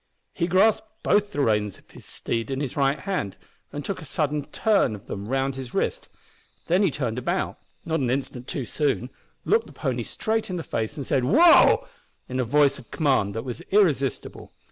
He grasped both the reins of his steed in his right hand, and took a sudden turn of them round his wrist. Then he turned about not an instant too soon looked the pony straight in the face, and said "Wo!" in a voice of command that was irresistible.